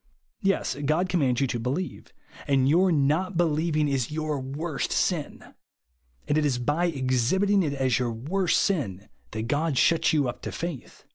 Yes, God commands you to believe ; and your not believing is your worst sin ; and it is by exhibiting it as your worst sin, that God eliuts you up to f dth.